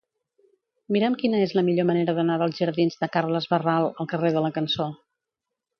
Mira'm quina és la millor manera d'anar dels jardins de Carles Barral al carrer de la Cançó.